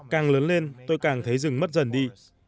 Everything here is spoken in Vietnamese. càng lớn lên tôi càng thấy rừng mất dần đi